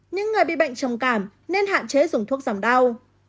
những người bị bệnh trầm cảm nên hạn chế dùng thuốc giảm đau